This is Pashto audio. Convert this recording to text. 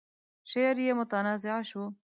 شعر يې متنازعه شو.